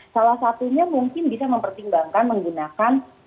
salah satunya mungkin bisa mempertimbangkan menggunakan